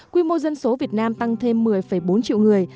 quy mô dân số việt nam tăng thêm một mươi bốn triệu người